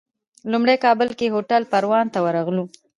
لومړی کابل کې هوټل پروان ته ورغلو.